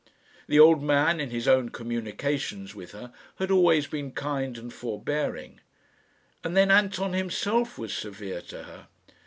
The old man, in his own communications with her, had always been kind and forbearing. And then Anton himself was severe to her.